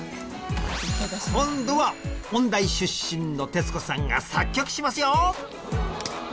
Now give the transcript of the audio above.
今度は音大出身の徹子さんが作曲しますよ！